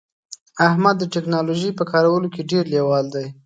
احمد د ټکنالوژی په کارولو کې ډیر لیوال دی